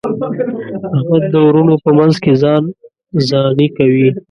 احمد د وروڼو په منځ کې ځان ځاني کوي.